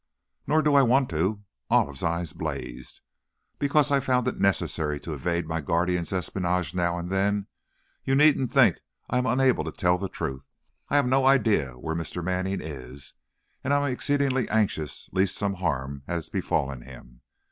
"Nor do I want to!" Olive's eyes blazed. "Because I found it necessary to evade my guardian's espionage now and then you needn't think I am unable to tell the truth! I have no idea where Mr. Manning is, and I am exceedingly anxious lest some harm has befallen him.